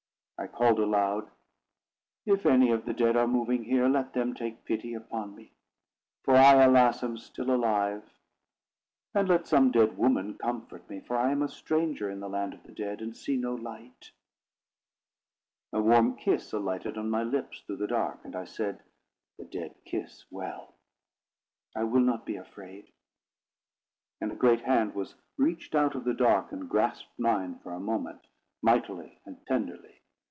I called aloud: "If any of the dead are moving here, let them take pity upon me, for I, alas! am still alive; and let some dead woman comfort me, for I am a stranger in the land of the dead, and see no light." A warm kiss alighted on my lips through the dark. And I said, "The dead kiss well; I will not be afraid." And a great hand was reached out of the dark, and grasped mine for a moment, mightily and tenderly.